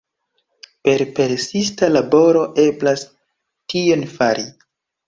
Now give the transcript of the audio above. Per persista laboro eblas tion fari.